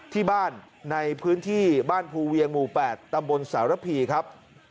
ที่บ้านในพื้นที่บ้านภูเวียงหมู่๘ตำบลสารพีครับ